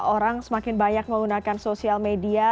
orang semakin banyak menggunakan sosial media